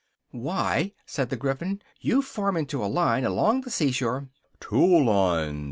"Why," said the Gryphon, "you form into a line along the sea shore " "Two lines!"